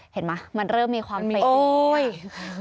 เห็นไหมมันเริ่มมีความเปรย์